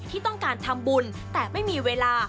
ที่ต้องการทำบุญแต่ไม่มีเวลา